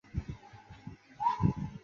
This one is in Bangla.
আমাদের প্রবেশে তাদের মর্জি আছে।